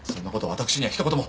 私にはひと言も。